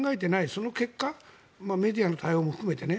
その結果メディアの対応も含めて。